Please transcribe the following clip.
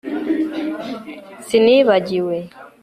Sinibagiwe